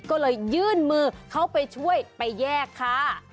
ก็เลยยื่นมือเข้าไปช่วยไปแยกค่ะ